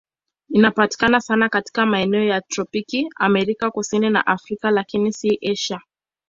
Inapatikana sana katika maeneo ya tropiki Amerika Kusini na Afrika, lakini si Asia.